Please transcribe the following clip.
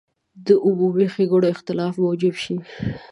د عمومي ښېګڼو اختلاف موجب شي.